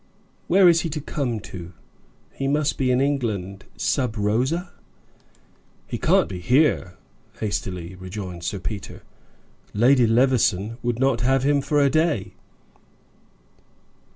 "Where is he to come to? He must be in England sub rosa." "He can't be here," hastily rejoined Sir Peter. "Lady Levison would not have him for a day."